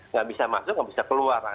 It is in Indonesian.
nggak bisa masuk nggak bisa keluar